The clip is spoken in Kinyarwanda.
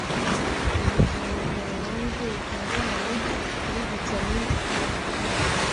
Ibijumba bya orange bikungahaye kuri vitamie A